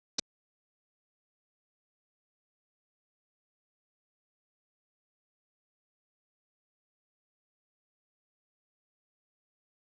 โปรดติดตามตอนต่อไป